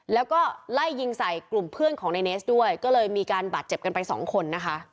แล้วก็ไล่ยิงใส่กลุ่มเพื่อนของในเนสด้วยก็เลยมีการบาดเจ็บกันไปสองคนนะคะ